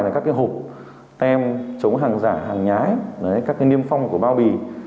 là các cái hộp tem chống hàng giả hàng nhái các cái niêm phong của bao bì